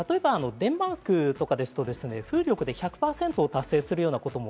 例えばデンマークとかですと風力で１００％を達成するようなことも